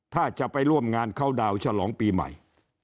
ถ้าจะไปร่วมงานเข้าดาวน์ฉลองปีใหม่